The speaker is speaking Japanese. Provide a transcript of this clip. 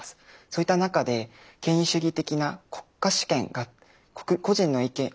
そういった中で権威主義的な国家主権が個人の意見